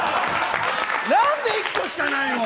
何で１個しかないのよ。